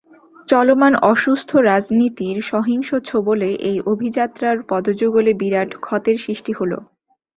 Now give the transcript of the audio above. চলমান অসুস্থ রাজনীতির সহিংস ছোবলে সেই অভিযাত্রার পদযুগলে বিরাট ক্ষতের সৃষ্টি হলো।